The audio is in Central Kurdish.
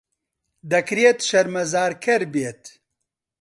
دەکرێت شەرمەزارکەر بێت.